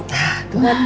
makasih mamah papa